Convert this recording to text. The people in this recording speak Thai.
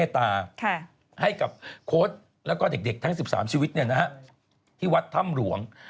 ทรีก๑๓ชีวิตที่วัดธรรมหลวง